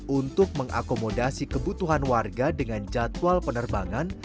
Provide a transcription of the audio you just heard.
untuk mengakomodasi kebutuhan warga dengan jadwal penerbangan